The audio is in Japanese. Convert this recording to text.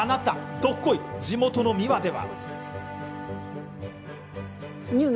どっこい地元の三輪では。